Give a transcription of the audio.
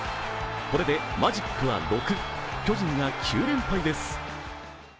これでマジックは６、巨人が９連敗です。